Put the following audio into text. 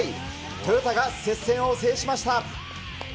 トヨタが接戦を制しました。